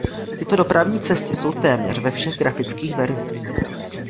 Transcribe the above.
Tyto dopravní cesty jsou téměř ve všech grafických verzích.